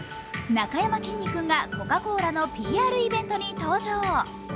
なかやまきんに君がコカ・コーラのＰＲイベントに登場。